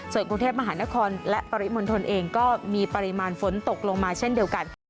ส่วนกรุงเทพมหานครและปริมณฑลเองก็มีปริมาณฝนตกลงมาเช่นเดียวกัน